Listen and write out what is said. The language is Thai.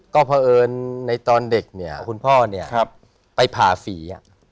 ก็เพราะเอิญในตอนเด็กเนี่ยคุณพ่อเนี่ยไปผ่าฝี